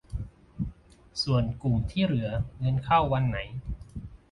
ส่วนกลุ่มที่เหลือเงินเข้าวันไหน